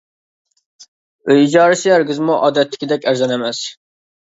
ئۆي ئىجارىسى ھەرگىزمۇ ئادەتتىكىدەك ئەرزان ئەمەس.